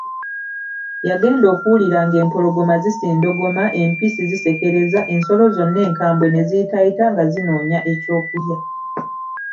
Yagenda okuwulira ng'empologoma zisindogoma, empisi zisekereza, ensolo zonna enkambwe ne ziyitaayita nga zinoonya ekyokulya.